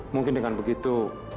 mungkin dengan begitu